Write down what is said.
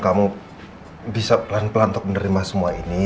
kamu bisa pelan pelan untuk menerima semua ini